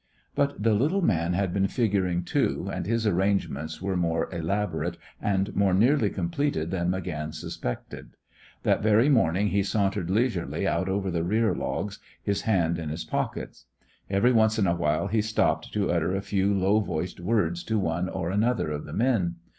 But the little man had been figuring, too, and his arrangements were more elaborate and more nearly completed than McGann suspected. That very morning he sauntered leisurely out over the rear logs, his hands in his pockets. Every once in a while he stopped to utter a few low voiced words to one or another of the men.